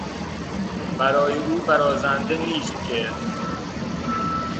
برای او برازنده نیست که...